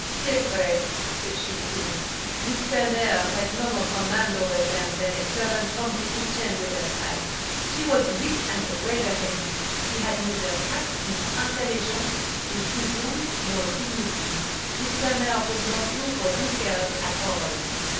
"C'est vrai," said she, coolly. "Miss Turner had no more command over them than a servant from the kitchen would have had. She was weak and wavering; she had neither tact nor intelligence, decision nor dignity. Miss Turner would not do for these girls at all."